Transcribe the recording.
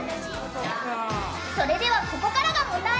それでは、ここからが問題。